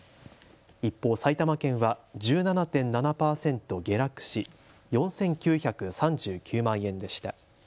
一方、埼玉県は１７．７％下落し４９３９万円でした。